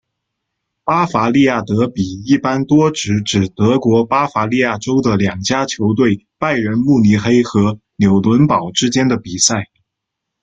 巴伐利亚德比一般多指指德国巴伐利亚州的两家球队拜仁慕尼黑和纽伦堡之间的比赛。